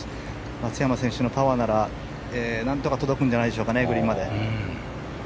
松山選手のパワーなら何とか届くんじゃないでしょうかグリーンまで。